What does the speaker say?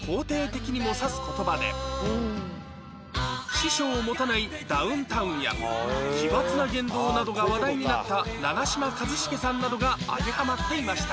師匠を持たないダウンタウンや奇抜な言動などが話題になった長嶋一茂さんなどが当てはまっていました